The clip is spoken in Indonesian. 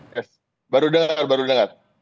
yes baru dengar baru dengar